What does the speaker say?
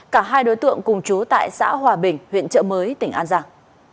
cả hai đối tượng cùng chú tại xã hòa bình huyện trợ mới tỉnh an giang